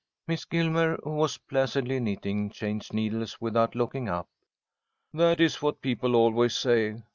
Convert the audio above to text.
Miss Gilmer, who was placidly knitting, changed needles without looking up. "That is what people always say.